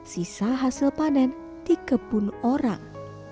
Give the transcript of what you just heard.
sisa hasil panen di kebun orang